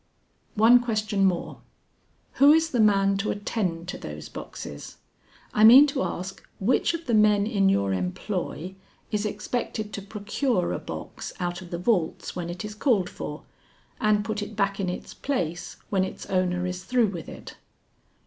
"One question more. Who is the man to attend to those boxes? I mean to ask, which of the men in your employ is expected to procure a box out of the vaults when it is called for, and put it back in its place when its owner is through with it?"